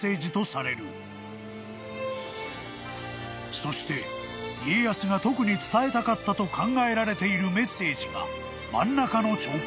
［そして家康が特に伝えたかったと考えられているメッセージが真ん中の彫刻］